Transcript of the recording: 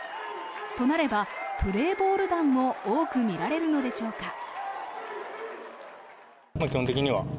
となれば、プレーボール弾も多く見られるのでしょうか。